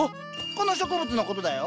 この植物のことだよ。